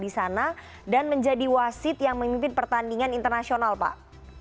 dan menjadi wasit yang memimpin pertandingan internasional pak